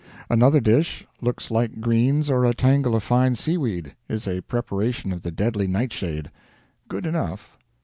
Another dish looks like greens or a tangle of fine seaweed is a preparation of the deadly nightshade. Good enough.